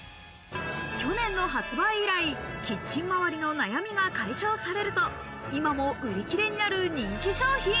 去年の発売以来、キッチン周りの悩みが解消されると、今も売り切れになる人気商品。